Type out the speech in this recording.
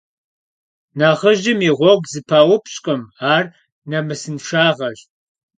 Nexhıj yi ğuegu zepaupş'khım, ar nemısınşşağeş.